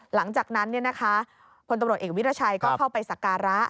หลังจากนั้นพลตำรวจเอกวิรัชัยก็เข้าไปสักการะ